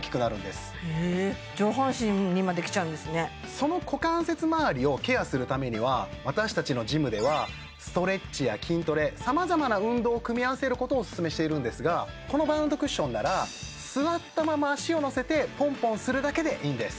その股関節周りをケアするためには私達のジムではストレッチや筋トレ様々な運動を組み合わせることをおすすめしているんですがこのバウンドクッションなら座ったまま足をのせてポンポンするだけでいいんです